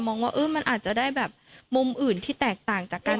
มองว่าเออมันจะได้แบบมุมอื่นที่แตกต่างจากการ